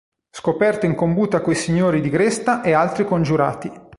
Scoperto in combutta coi signori di Gresta e altri congiurati.